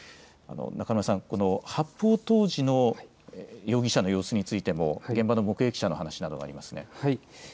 中村さん、発砲当時の容疑者の様子についても現場の目撃者の話などがありますね。